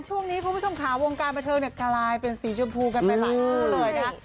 ช่วงนี้คุณผู้ชมขาววงการแบตเทิงเน็ตไทยเป็นสีชมพูกันไปหลายครู่เลยนะ